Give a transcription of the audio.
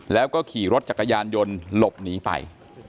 แล้วก็ขี่รถจักรยานยนต์หลบหนีไป